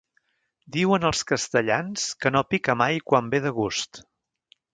Diuen els castellans que no pica mai quan ve de gust.